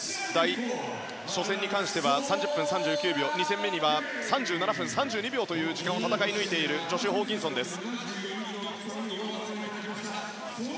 初戦に関しては３０分３９秒２戦目には３７分３２秒という時間を戦い抜いているジョシュ・ホーキンソンです。